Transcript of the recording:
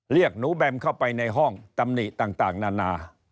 เรียกหนูแบมเข้าไปในห้องตำหนิต่างนานา